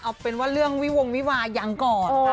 เอาเป็นว่าเรื่องวิวงวิวายังก่อน